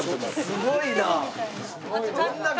すごいね。